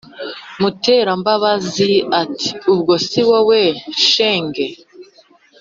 Muterambabazi ati"ubwo siwowe shenge?